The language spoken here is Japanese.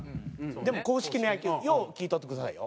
でも硬式の野球よう聞いとってくださいよ。